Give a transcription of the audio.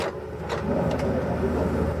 পূর্বানুমানের কয়েক মিনিট আগেই গ্রহণ লেগে যায়।